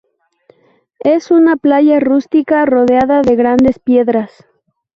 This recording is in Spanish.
Es una playa rústica rodeada de grandes piedras.